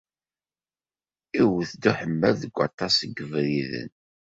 Iwet-d uḥemmal deg waṭas n yebriden.